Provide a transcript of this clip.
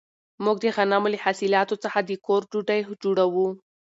موږ د غنمو له حاصلاتو څخه د کور ډوډۍ جوړوو.